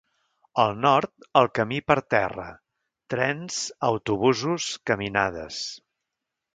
Al nord, el camí per terra: trens, autobusos, caminades.